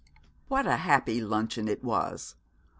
What a happy luncheon it was!